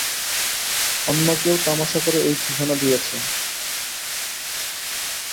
অন্য কেউ তামাশা করে এই ঠিকানা দিয়েছে।